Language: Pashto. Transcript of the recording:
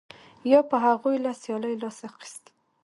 یا به هغوی له سیالۍ لاس اخیست